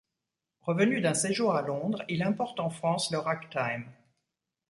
Revenu d'un séjour à Londres, il importe en France le ragtime.